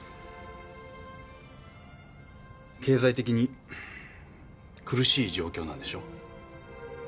経済的に苦しい状況なんでしょ？